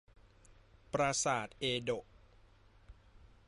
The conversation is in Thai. ปราสาทเอโดะ